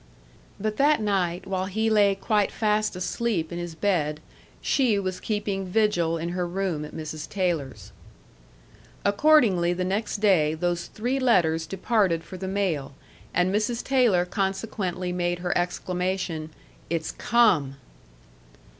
But that night, while he lay quite fast asleep in his bed, she was keeping vigil in her room at Mrs. Taylor's. Accordingly, the next day, those three letters departed for the mail, and Mrs. Taylor consequently made her exclamation, "It's come!"